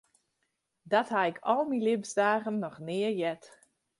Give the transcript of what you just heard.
Dat ha ik al myn libbensdagen noch net heard.